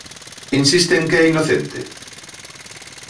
Insiste en que é inocente?